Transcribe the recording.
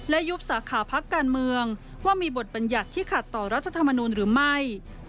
และยุบสาขาพักการเมืองว่ามีบทบัญญัติที่ขัดต่อรัฐธรรมนูลหรือไม่